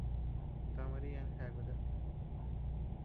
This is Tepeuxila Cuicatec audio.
Ta María jeakuta.